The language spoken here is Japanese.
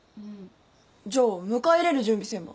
じゃあ迎え入れる準備せんば。